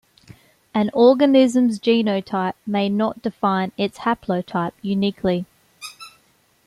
An organism's genotype may not define its haplotype uniquely.